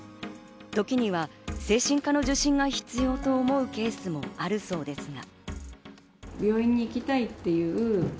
時には精神科の受診が必要と思うケースもあるそうですが。